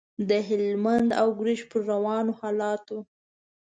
د هلمند او ګرشک پر روانو حالاتو.